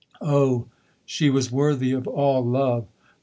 O, she was worthy of all love!